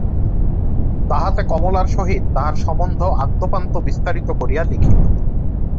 তাহাতে কমলার সহিত তাহার সম্বন্ধ আদ্যোপান্ত বিস্তারিত করিয়া লিখিল।